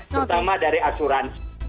terutama dari asuransi